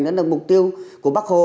đó là mục tiêu của bắc hồ